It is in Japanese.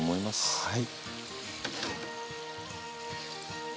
はい。